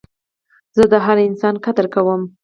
زه د هر انسان قدر کوم.